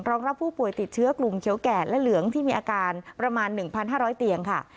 รับผู้ป่วยติดเชื้อกลุ่มเขียวแก่และเหลืองที่มีอาการประมาณ๑๕๐๐เตียงค่ะ